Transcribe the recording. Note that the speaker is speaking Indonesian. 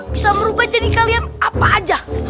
bisa merubah jadi kalian apa aja